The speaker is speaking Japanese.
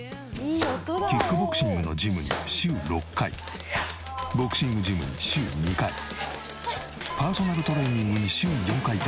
キックボクシングのジムに週６回ボクシングジムに週２回パーソナルトレーニングに週４回と。